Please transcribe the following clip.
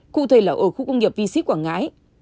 cụ thể là ở khu công nghiệp v ship quảng ngãi